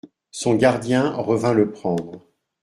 Son gardien revint le prendre.